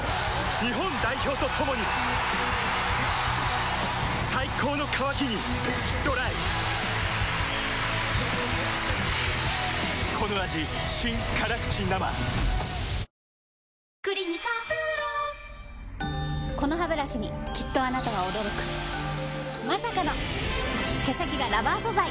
日本代表と共に最高の渇きにＤＲＹこのハブラシにきっとあなたは驚くまさかの毛先がラバー素材！